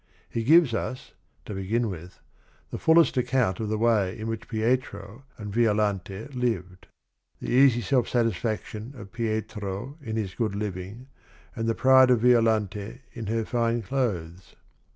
He gives us, to begin with, the fullest account of the way in which Fietro _a,nd Violante lived: the easy self satisfaction of 3 ietro in his good living, and the pride of Violante in her fine clothes.